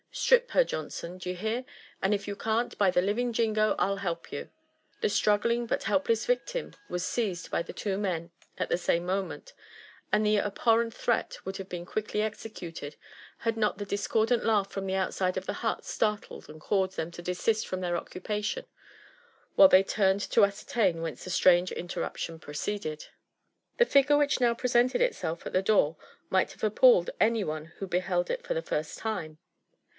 Strip her, John son, d'ye bear? — and if you can't, by the living Jingo I'll help you." The struggling but helpless victim was seized by the (wo men at the same moment, and the abhorrent threat would have been quickly exe cuted, had not a discordant laugh from the outside of the hut startled and caused them to desist from their occupation while they turned to ascertain whence the strange interruption proceeded. 60 lilFB AND ADVENTURES OP The figure which now presented itself at the door might have appalled any one who beheld it for the first time.